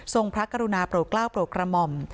พระกรุณาโปรดกล้าวโปรดกระหม่อม